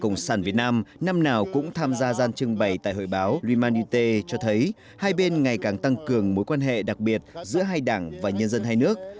cộng sản việt nam năm nào cũng tham gia gian trưng bày tại hội báo luy man y tê cho thấy hai bên ngày càng tăng cường mối quan hệ đặc biệt giữa hai đảng và nhân dân hai nước